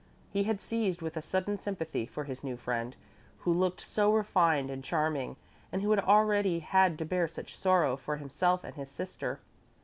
He was seized with a sudden sympathy for his new friend, who looked so refined and charming, and who already had to bear such sorrow for himself and his sister.